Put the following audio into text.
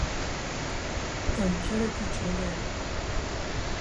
Ew kerekî çolê ye